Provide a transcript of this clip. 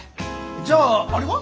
じゃああれは？